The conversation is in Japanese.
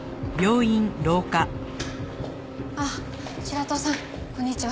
あっ白土さんこんにちは。